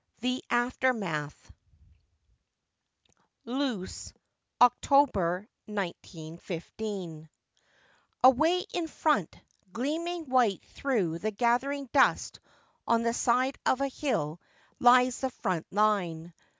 THE AFTERMATH LOOS, OCTOBER, I915 Away in front, gleaming white through the gathering dusk on the side of a hill, lies the front line.